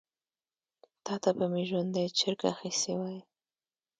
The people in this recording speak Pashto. تا ته به مي ژوندی چرګ اخیستی وای .